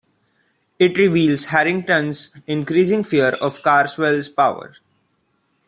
It reveals Harrington's increasing fear of Karswell's power.